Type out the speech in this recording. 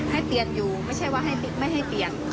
ให้เปลี่ยนอยู่ไม่ใช่ว่าไม่ให้เปลี่ยน